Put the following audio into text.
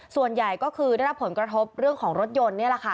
ส่วนใหญ่ก็คือได้รับผลกระทบเรื่องของรถยนต์นี่แหละค่ะ